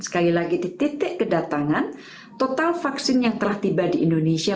sekali lagi di titik kedatangan total vaksin yang telah tiba di indonesia